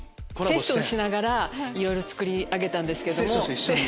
セッションしながらいろいろ作り上げたんですけども。